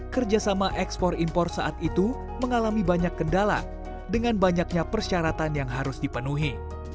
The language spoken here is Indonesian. kerjasama ekspor impor saat itu mengalami banyak kendala dengan banyaknya persyaratan yang harus dipenuhi